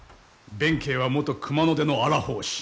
弁慶は元熊野出の荒法師。